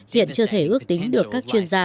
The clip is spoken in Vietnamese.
hiện chưa thể ước tính được các chuyên gia